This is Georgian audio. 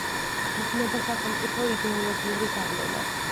იგრძნობა სახელმწიფო იდეოლოგიური გავლენა.